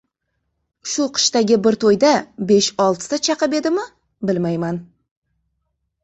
Shu qishdagi bir to‘yda besh-oltita chaqib edimmi, bilmayman.